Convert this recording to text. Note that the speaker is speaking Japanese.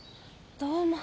どうも。